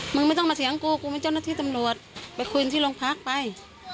มึงไม่ต้องมาเสียงกูกูเป็นเจ้าหน้าที่ตำรวจไปคุยที่โรงพักไป